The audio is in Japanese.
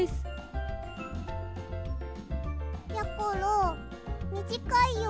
やころみじかいよ。